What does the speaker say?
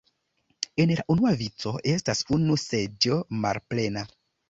En la unua vico estas unu seĝo malplena.